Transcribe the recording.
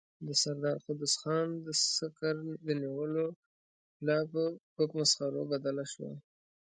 د سردار قدوس خان د سکر د نيولو لاپه په مسخرو بدله شوه.